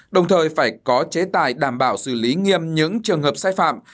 đồng thời phải có chế tài đảm bảo xử lý nghiêm những trường hợp sai phạm